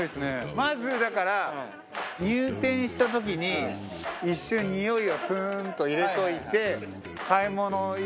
まずだから入店した時に一瞬においをツーンと入れといて。